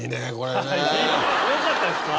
よかったですか？